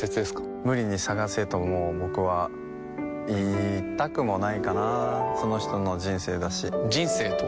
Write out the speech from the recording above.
無理に探せとも僕は言いたくもないかなその人の人生だし人生とは？